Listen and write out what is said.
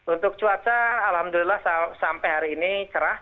untuk cuaca alhamdulillah sampai hari ini cerah